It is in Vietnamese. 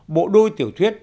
bộ đôi tiểu thuyết